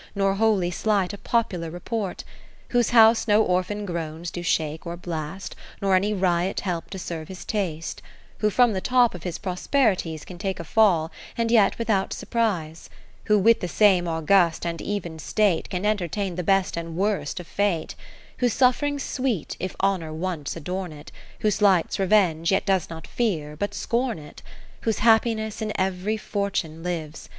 Nor wholly slight a popular report ; Whose house no orphan groans do shake or blast, 81 Nor any riot help to serve his taste : Who from the top of his pros perities Can take a fall, and yet without surprise ; Who with the same august and even state Can entertain the best and worst of fate ; Whose suffering 's sweet, if Honour once adorn it ; Who slights Revenge, yet does not fear, but scorn it ; Whose happiness in ev'ry fortune lives.